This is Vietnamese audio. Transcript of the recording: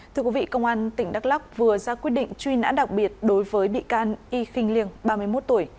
thưa quý vị công an tỉnh đắk lắk vừa ra quyết định truy nã đặc biệt đối với bị can y kinh liêng ba mươi một tuổi